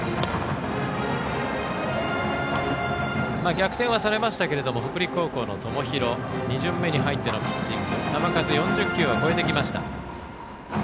逆転はされましたけれども北陸高校の友廣２巡目に入ってのピッチング球数は４０球を超えてきました。